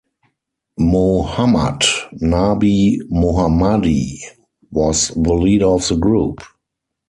Mohammad Nabi Mohammadi was the leader of the group.